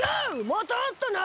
またあったな！